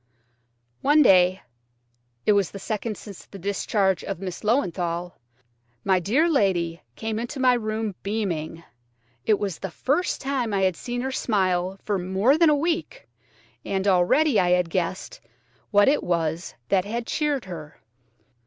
One day–it was the second since the discharge of Miss Löwenthal–my dear lady came into my room beaming. It was the first time I had seen her smile for more than a week, and already I had guessed what it was that had cheered her.